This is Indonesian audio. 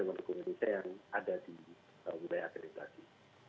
dan warga hukum indonesia yang ada di budaya akreditasi